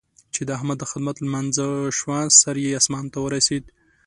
چې د احمد د خدمت لمانځه شوه؛ سر يې اسمان ته ورسېد.